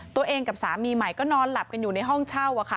ตัวเองกับสามีใหม่ก็นอนหลับกันอยู่ในห้องเช่า